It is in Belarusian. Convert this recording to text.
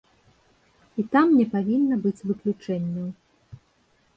І там не павінна быць выключэнняў.